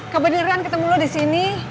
kebeneran ketemu lo di sini